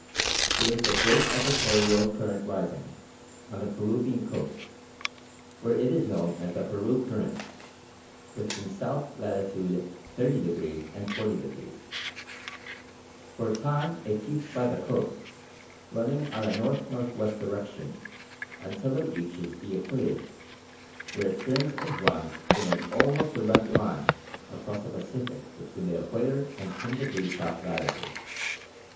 There is the great Equatorial Current rising on the Peruvian coast (where it is known as the Peru Current) between south latitude 30° and 40°. For a time it keeps by the coast, running in a N.N.W. direction until it reaches the Equator, where it turns and runs in an almost direct line across the Pacific between the Equator and 10° south latitude.